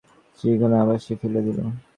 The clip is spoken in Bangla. চিঠিখানা আবার সে ফেলিয়া দিল।